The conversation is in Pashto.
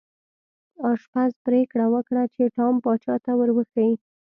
آشپز پریکړه وکړه چې ټام پاچا ته ور وښيي.